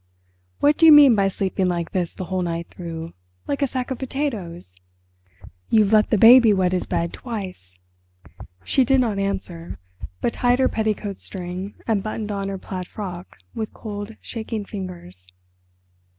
"What do you mean by sleeping like this the whole night through—like a sack of potatoes? You've let the baby wet his bed twice." She did not answer, but tied her petticoat string, and buttoned on her plaid frock with cold, shaking fingers.